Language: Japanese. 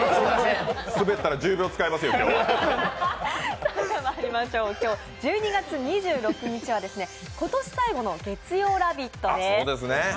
スベったら１０秒使いますよ、今日は今日１２月２６日は今年最後の月曜「ラヴィット！」です。